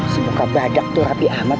semoga badak tuh rapi amat